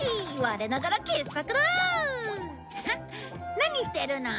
何してるの？